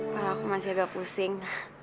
kalau aku masih agak pusing